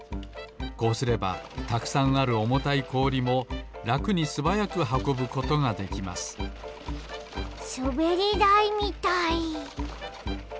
こうすればたくさんあるおもたいこおりもらくにすばやくはこぶことができますすべりだいみたい！